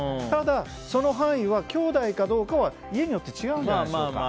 ただ、その範囲はきょうだいかどうかは家によって違います。